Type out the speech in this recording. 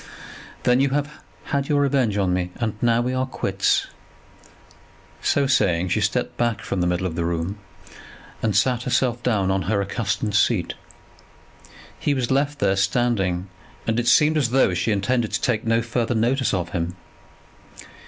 "Then you have had your revenge on me, and now we are quits." So saying, she stepped back from the middle of the room, and sat herself down on her accustomed seat. He was left there standing, and it seemed as though she intended to take no further notice of him.